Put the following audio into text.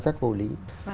về mặt pháp lý